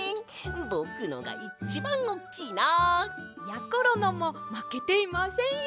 ぼくのがいちばんおっきいな！やころのもまけていませんよ。